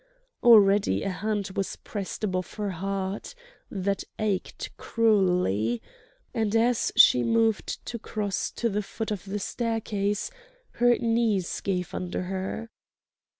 Already a hand was pressed above her heart, that ached cruelly; and as she moved to cross to the foot of the staircase her knees gave under her.